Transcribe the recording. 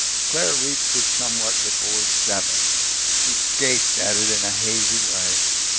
Claire reached it somewhat before seven. She gaped at it in a hazy way.